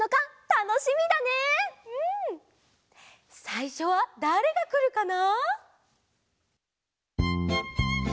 さいしょはだれがくるかな？